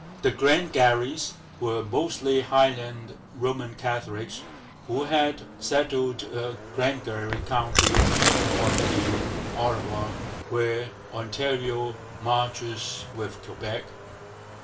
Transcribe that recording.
The Glengarries were mostly Highland Roman Catholics who had settled Glengarry county on the Ottawa, where Ontario marches with Quebec.